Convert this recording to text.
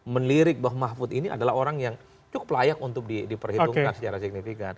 melirik bahwa mahfud ini adalah orang yang cukup layak untuk diperhitungkan secara signifikan